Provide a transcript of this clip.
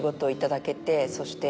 そして。